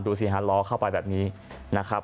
ดูสิฮะล้อเข้าไปแบบนี้นะครับ